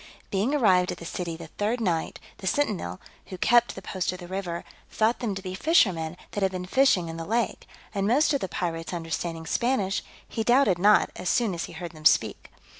Being arrived at the city the third night, the sentinel, who kept the post of the river, thought them to be fishermen that had been fishing in the lake: and most of the pirates understanding Spanish, he doubted not, as soon as he heard them speak.